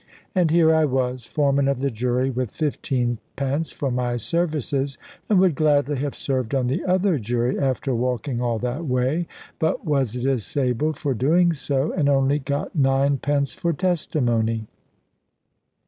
And here I was, foreman of the jury, with fifteenpence for my services, and would gladly have served on the other jury after walking all that way, but was disabled for doing so, and only got ninepence for testimony.